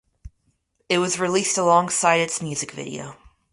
It was released alongside its music video.